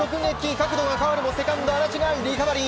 角度が変わるもセカンド安達、リカバリー。